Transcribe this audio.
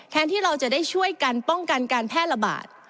ที่เราจะได้ช่วยกันป้องกันการแพร่ระบาด